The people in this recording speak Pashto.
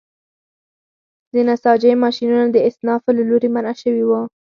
د نساجۍ ماشینونه د اصنافو له لوري منع شوي وو.